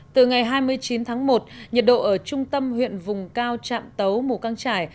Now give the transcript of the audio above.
từ ngày hai mươi chín tháng một nhiệt độ ở trung tâm huyện vùng cao trạm tấu mù căng trải